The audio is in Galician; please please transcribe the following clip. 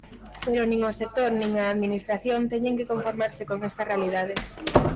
Pero nin o sector nin a Administración teñen que conformarse con esta realidade.